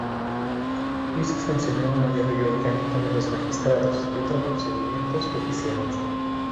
Hizo sancionar una Ley Orgánica de los Magistrados, y otra de Procedimientos Judiciales.